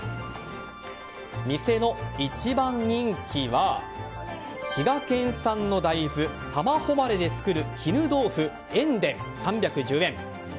店の一番人気は滋賀県産の大豆、玉誉れで作る絹豆腐、塩田、３１０円。